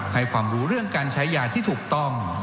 ให้ความรู้เรื่องการใช้ยาที่ถูกต้อง